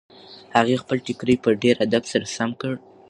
هغې خپل ټیکری په ډېر ادب سره سم کړ.